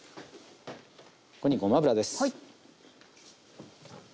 ここにごま油です。